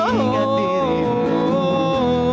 ku ingat dirimu